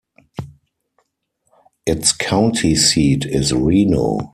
Its county seat is Reno.